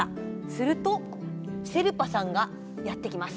するとシェルパさんがやって来ます。